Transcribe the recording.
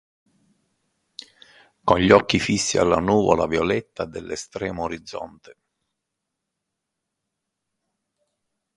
Con gli occhi fissi alla nuvola violetta dell'estremo orizzonte.